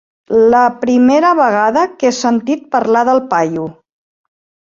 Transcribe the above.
La primera vegada que he sentit parlar del paio.